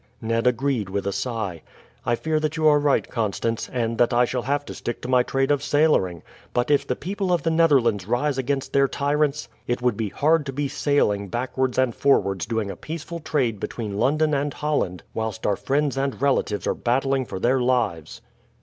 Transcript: Ned agreed with a sigh. "I fear that you are right, Constance, and that I shall have to stick to my trade of sailoring; but if the people of the Netherlands rise against their tyrants, it would be hard to be sailing backwards and forwards doing a peaceful trade between London and Holland whilst our friends and relatives are battling for their lives."